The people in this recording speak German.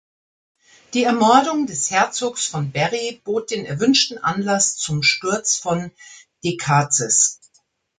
Die Ermordung des Herzogs von Berry bot den erwünschten Anlass zum Sturz von Decazes.